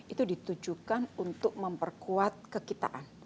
itu ditujukan untuk memperkuat kekitaan